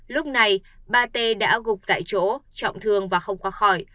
lúc này ba t đã gục tại chỗ trọng thương và không qua khỏi